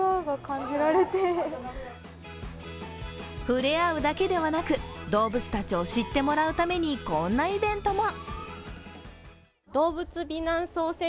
触れ合うだけではなく、動物たちを知ってもらうために、こんなイベントも。